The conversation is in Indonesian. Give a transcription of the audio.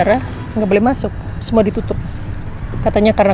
ren ricky udah keluar